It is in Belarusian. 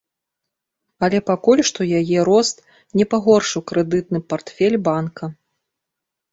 Але пакуль што яе рост не пагоршыў крэдытны партфель банка.